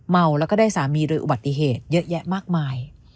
เมาแล้วก็ได้สามีโดยอุบัติเหตุเยอะแยะมากมาย